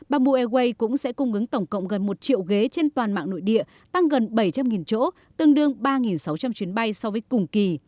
bamboo airways cũng sẽ cung ứng tổng cộng gần một triệu ghế trên toàn mạng nội địa tăng gần bảy trăm linh chỗ tương đương ba sáu trăm linh chuyến bay so với cùng kỳ